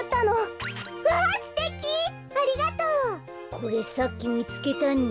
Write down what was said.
これさっきみつけたんだ。